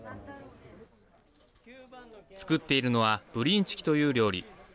作っているのはブリンチキという料理。